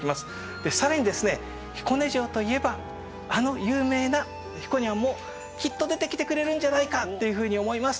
で更にですね彦根城といえばあの有名なひこにゃんもきっと出てきてくれるんじゃないかっていうふうに思います。